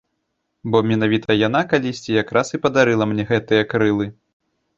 Бо менавіта яна калісьці якраз і падарыла мне гэтыя крылы.